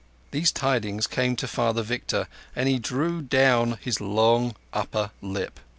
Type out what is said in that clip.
These tidings came to Father Victor, and he drew down his long upper lip.